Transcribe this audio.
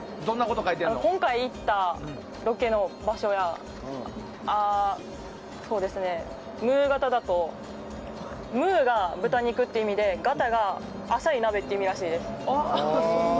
今回行ったロケの場所やムーガタだとムーが豚肉という意味でガタが浅い鍋っていう意味らしいです。